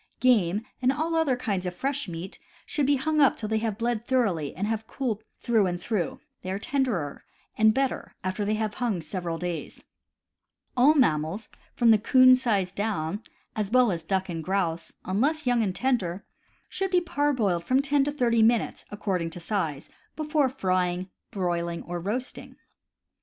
Game, and all other kinds of fresh meat, should be hung up till they have bled thoroughly and have cooled through and through — they are tenderer and better after they have hung several days. All mammals from the 'coon size down, as well as duck and grouse, unless young and tender, should be parboiled from ten to thirty minutes, according to size, before frying, broiling, or roasting.